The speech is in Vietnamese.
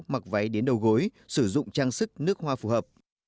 mặc váy đến đầu gối sử dụng trang sức nước hoa phù hợp